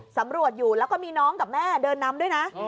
สำรวจอยู่แล้วก็มีน้องกับแม่เดินนำด้วยนะ